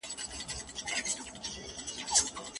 هغه پنډي چي دلته دی، په اوږه باندي ګڼ توکي راوړي.